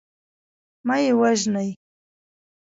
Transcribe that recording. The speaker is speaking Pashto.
مه یې وژنی.